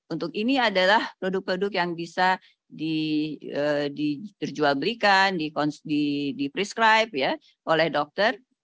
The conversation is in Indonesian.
untuk ini adalah produk produk yang bisa dijual belikan diprescribe oleh dokter